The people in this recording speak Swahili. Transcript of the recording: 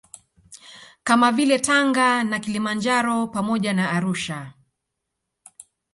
Kama vile Tanga na Kilimanjaro pamoja na Arusha